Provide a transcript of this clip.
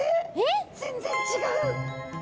全然違う。